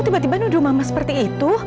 tiba tiba nuduh mama seperti itu